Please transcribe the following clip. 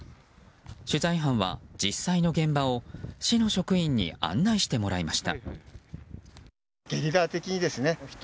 取材班は実際の現場を市の職員に案内してもらいました。